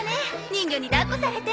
人魚に抱っこされて。